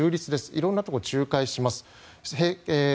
色んなところに仲介します